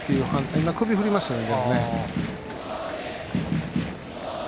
でも首を振りましたね。